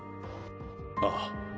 ああ。